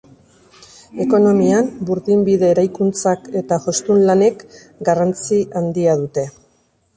Ekonomian burdinbide eraikuntzak eta jostun lanek garrantzi handia dute.